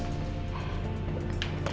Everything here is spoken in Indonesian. tante yang sabar